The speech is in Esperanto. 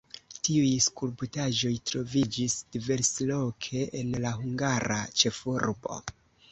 Tiuj skulptaĵoj troviĝis diversloke en la hungara ĉefurbo.